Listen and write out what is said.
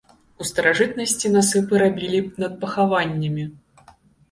У старажытнасці насыпы рабілі над пахаваннямі.